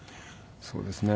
そうですね。